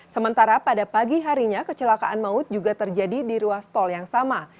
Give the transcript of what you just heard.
sementara pada pagi harinya kecelakaan maut juga terjadi di ruas tol yang sama